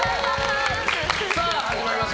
さあ始まりました。